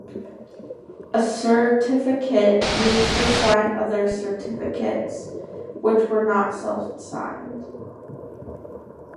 A certificate used to sign other certificates, which is not self-signed.